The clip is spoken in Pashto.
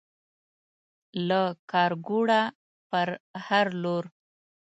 له کارکوړه پر هر لور